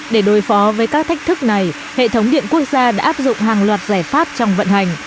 để đối phó với các thách thức này hệ thống điện quốc gia đã áp dụng hàng loạt giải pháp trong vận hành